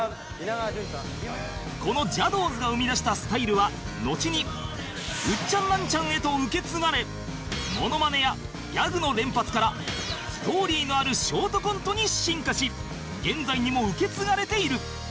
このジャドーズが生み出したスタイルはのちにウッチャンナンチャンへと受け継がれモノマネやギャグの連発からストーリーがあるショートコントに進化し現在にも受け継がれている